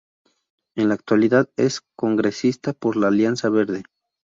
En la actualidad es congresista por la Alianza Verde